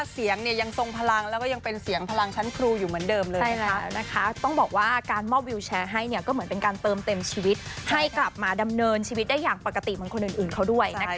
เสียงเพลงเหมือนชุบชีวิตเราเหมือนกัน